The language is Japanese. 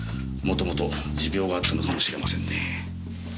もともと持病があったのかもしれませんね。